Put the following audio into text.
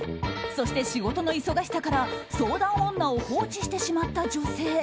そして仕事の忙しさから相談女を放置してしまった女性。